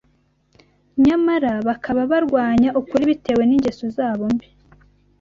nyamara bakaba barwanya ukuri bitewe n’ingeso zabo mbi